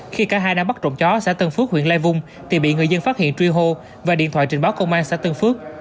khi cả hai đang bắt trộm chó xã tân phước huyện lai vung thì bị người dân phát hiện truy hô và điện thoại trình báo công an xã tân phước